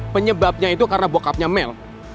penyebabnya itu karena bokapnya mel